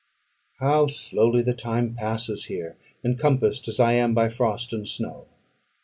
How slowly the time passes here, encompassed as I am by frost and snow!